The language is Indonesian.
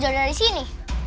jauh jauh dari sini